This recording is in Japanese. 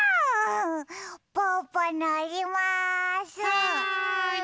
はい！